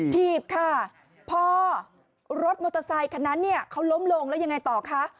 ถีบค่ะพอรถมอเตอร์ไซคันนั้นเนี่ยเขาล้มลงแล้วยังไงต่อคะ